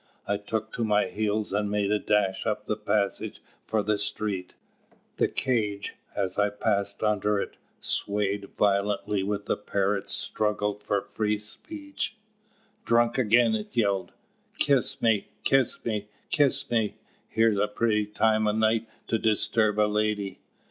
I took to my heels, and made a dash up the passage for the street. The cage, as I passed under it, swayed violently with the parrot's struggles for free speech. "Drunk again!" it yelled. "Kiss me, kiss me, kiss me here's a pretty time o' night to disturb a lady!"